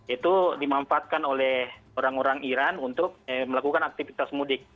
itu dimanfaatkan oleh orang orang iran untuk melakukan aktivitas mudik